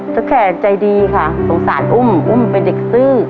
แขกใจดีค่ะสงสารอุ้มอุ้มเป็นเด็กซื่อ